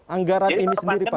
anggaran ini sendiri pak